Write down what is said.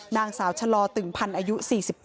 นางสาวชะลอตึงพันธ์อายุ๔๘